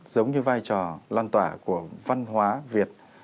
giống như vai trò lan tỏa của văn hóa việt